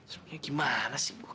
sebenarnya gimana sih gue